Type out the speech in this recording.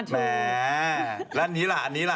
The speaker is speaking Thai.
แหมแล้วอันนี้ล่ะอันนี้ล่ะ